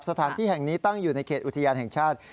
สถานที่แห่งนี้ตั้งอยู่ในเขตอุทยานแห่งชาติ